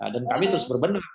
dan kami terus berbendung